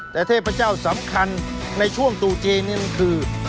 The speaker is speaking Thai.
แต่เทพเจ้าสำคัญในช่วงตู่จีนนี่นั่นคือ